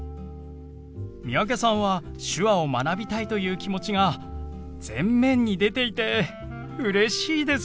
三宅さんは手話を学びたいという気持ちが全面に出ていてうれしいです！